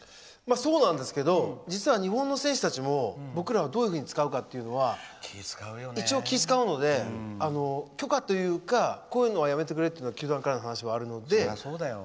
そうなんですけど実は、日本の選手たちもどういうふうに使うかは一応、気を使うので許可というかこういうのはやめてくれという球団からの話はあるので。